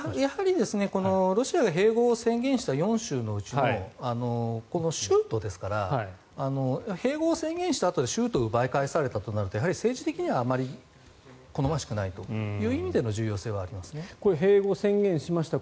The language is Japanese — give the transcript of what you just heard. ロシアが併合を宣言した４州のうちの州都ですから併合を宣言したあとで州都を奪い返されたとなると政治的にはあまり好ましくないという意味での併合を宣言しました